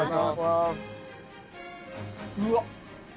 うわっ！